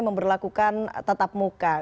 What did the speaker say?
memberlakukan tatap muka